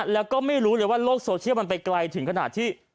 แล้วก็ไม่รู้เลยว่าโลกโซเชียลมันไปไกลถึงขนาดที่